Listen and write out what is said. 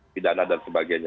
bidana dan sebagainya